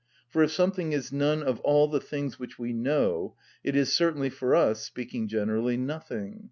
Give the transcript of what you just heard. For if something is none of all the things which we know, it is certainly for us, speaking generally, nothing.